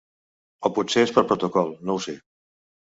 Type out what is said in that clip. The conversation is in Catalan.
O potser és per protocol, no ho sé.